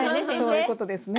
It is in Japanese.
そういうことですね。